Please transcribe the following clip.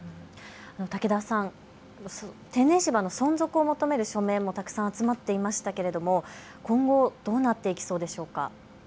武田さん、天然芝の存続を求める署名もたくさん集まっていましたけれども今後、どうなっていきそうでしょうか。